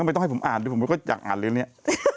ไม่ต้องให้ผมอ่านดูผมก็อยากอ่านเลยเนี่ย